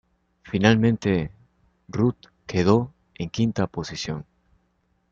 Finalmente, Ruth quedó en quinta posición.